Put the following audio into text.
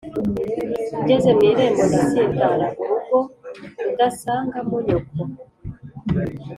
Ngeze mu irembo ndasitara-Urugo udasangamo nyoko.